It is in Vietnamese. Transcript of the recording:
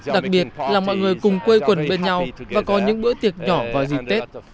đặc biệt là mọi người cùng quê quần bên nhau và có những bữa tiệc nhỏ vào dịp tết